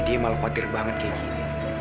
dia malah khawatir banget kayak gini